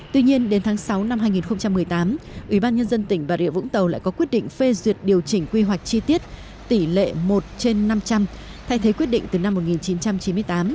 tuy nhiên đến tháng sáu năm hai nghìn một mươi tám ubnd tỉnh bà rịa vũng tàu lại có quyết định phê duyệt điều chỉnh quy hoạch chi tiết tỷ lệ một trên năm trăm linh thay thế quyết định từ năm một nghìn chín trăm chín mươi tám